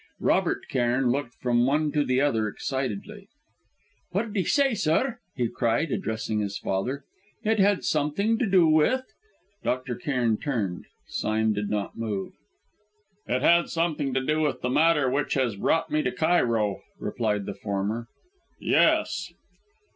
Robert Cairn looked from one to the other excitedly. "What did he say, sir?" he cried, addressing his father. "It had something to do with " Dr. Cairn turned. Sime did not move. "It had something to do with the matter which has brought me to Cairo," replied the former "yes."